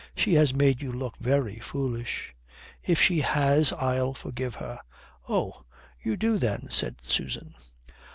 "She has made you look very foolish." "If she has I'll forgive her." "Oh. You do then," said Susan.